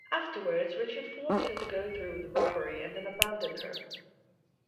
Afterwards Richard forced her to go through with the robbery and then abandoned her.